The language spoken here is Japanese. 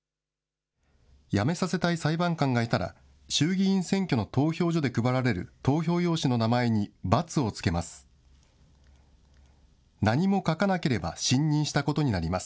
やめさせたい裁判官がいたら、衆議院選挙の投票所で配られる投票用紙の名前に×をつけます。